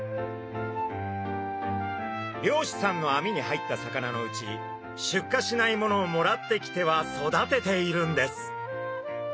漁師さんのあみに入った魚のうち出荷しないものをもらってきては育てているんです。